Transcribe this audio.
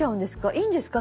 いいんですか？